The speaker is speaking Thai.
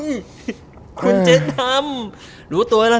คุณเจ๊ดำ